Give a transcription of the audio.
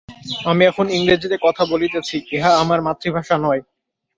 আমি এখন ইংরেজীতে কথা বলিতেছি, ইহা আমার মাতৃভাষা নয়।